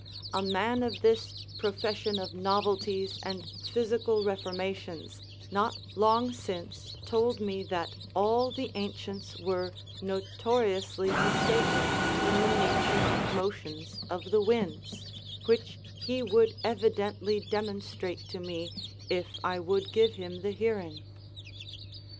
A man of this profession of novelties and physical reformations not long since told me that all the ancients were notoriously mistaken in the nature and motions of the winds, which he would evidently demonstrate to me if I would give him the hearing.